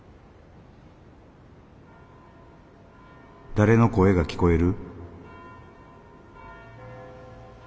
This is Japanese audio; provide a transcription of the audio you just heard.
「誰の声が聞こえる？」。